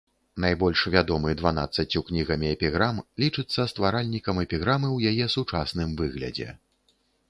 Найбольш вядомы дванаццаццю кнігамі эпіграм, лічыцца стваральнікам эпіграмы ў яе сучасным выглядзе.